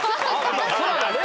空がね。